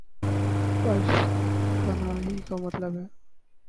پشت پناہی کامطلب ہے۔